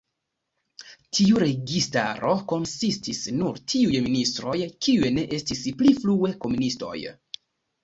Tiu registaro konsistis nur tiuj ministroj, kiuj ne estis pli frue komunistoj.